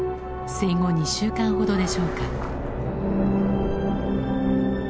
生後２週間ほどでしょうか。